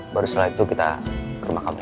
baru setelah itu kita ke rumah kamu ya